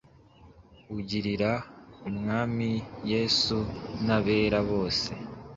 ugirira Umwami Yesu n’abera bose;